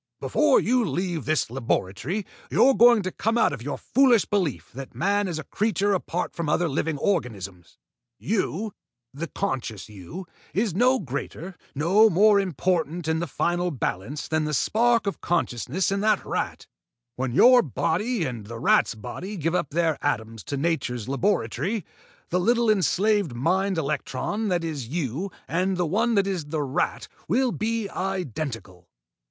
"Before you leave this laboratory, you're going to come out of your foolish belief that man is a creature apart from other living organisms. You the conscious you is no greater, no more important in the final balance than the spark of consciousness in that rat. When your body and the rat's body give up their atoms to nature's laboratory, the little enslaved mind electron that is you and the one that is the rat will be identical."